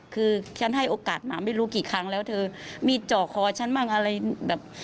คือฉันให้โอกาสมาไม่รู้กี่ครั้งแล้วเธอมีจ่อคอฉันบ้างอะไรแบบ